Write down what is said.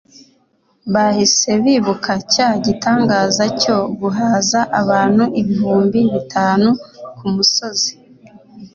Bahise bibuka cya gitangaza cyo guhaza abantu ibihumbi bitanu ku musozi.